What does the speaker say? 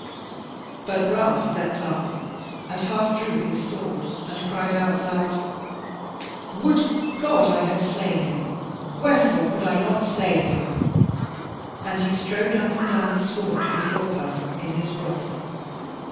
But Ralph leapt up, and half drew his sword, and cried out loud: "Would God I had slain him! Wherefore could I not slay him?" And he strode up and down the sward before her in his wrath.